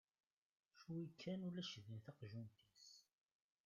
Cwi kan ulac din taqjunt-is.